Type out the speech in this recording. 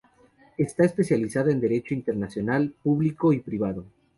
Ésta se especializa en Derecho Internacional público y privado.